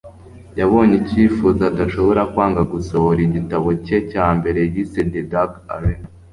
yabonye icyifuzo adashobora kwanga: gusohora igitabo cye cya mbere yise The Dark Arena